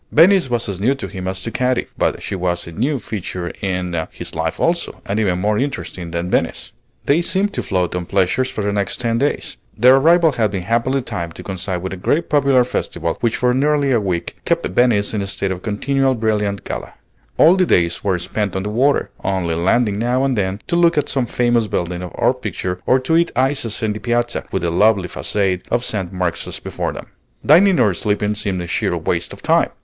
Venice was as new to him as to Katy; but she was a new feature in his life also, and even more interesting than Venice. They seemed to float on pleasures for the next ten days. Their arrival had been happily timed to coincide with a great popular festival which for nearly a week kept Venice in a state of continual brilliant gala. All the days were spent on the water, only landing now and then to look at some famous building or picture, or to eat ices in the Piazza with the lovely façade of St. Mark's before them. Dining or sleeping seemed a sheer waste of time!